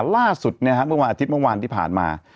ล่าสุดเมื่อวันอาทิตย์เมื่อวานที่ผ่านมา